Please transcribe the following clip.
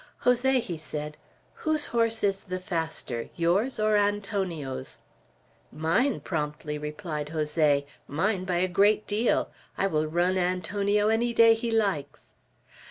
"Jose," he said, "whose horse is the faster, yours or Antonio's?" "Mine," promptly replied Jose. "Mine, by a great deal. I will run Antonio any day he likes."